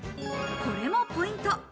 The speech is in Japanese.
これもポイント。